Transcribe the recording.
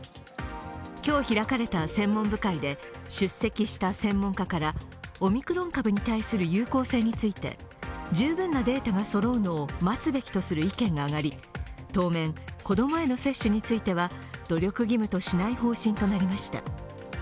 今日開かれた専門部会で出席した専門家から、オミクロン株に対する有効性について十分なデータがそろうのを待つべきとの意見が上がり当面子供への接種については努力義務としない方針となりました。